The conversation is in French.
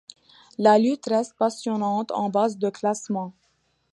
La lutte reste passionnante en base de classement.